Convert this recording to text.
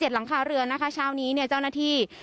หลังคาเรือนนะคะเช้านี้เนี่ยเจ้าหน้าที่